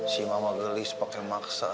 si mama gelis pakai maksa